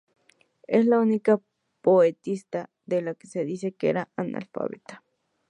Es la única poetisa de la que se dice que era analfabeta.